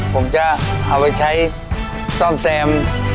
ผมจะเอาไปใช้ซ่อมแซม